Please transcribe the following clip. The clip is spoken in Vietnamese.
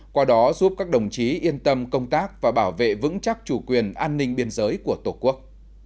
qua đó giúp các đồng chí yên tâm công tác và bảo vệ vững chắc chủ quyền an ninh biên giới của tổ quốc